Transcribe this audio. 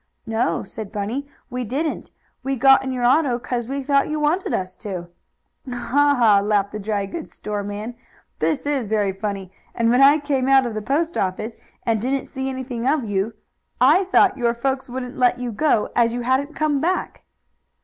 "No," said Bunny, "we didn't. We got in your auto 'cause we thought you wanted us to." "Ha! Ha!" laughed the dry goods store man. "This is very funny! And when I came out of the post office, and didn't see anything of you, I thought your folks wouldn't let you go, as you hadn't come back."